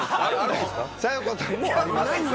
小夜子さんもあります。